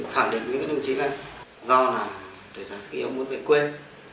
khẳng định với các đồng chí là do là tuổi sản sức yếu muốn bị quên